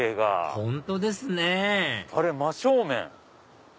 本当ですねあれ真正面。